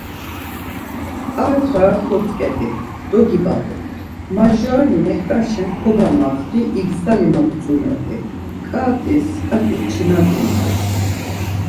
Ar fara kotzǩedi, dogibağun, majurani neǩnaşen kogamaxti igzali ma butzumelt̆i, ǩat̆is ǩat̆i pçinadumet̆i.